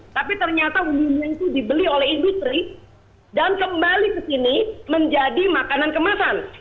tapi ternyata umumnya itu dibeli oleh industri dan kembali ke sini menjadi makanan kemasan